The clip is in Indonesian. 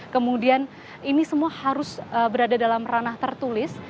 kemudian ini semua harus berada dalam ranah tertulis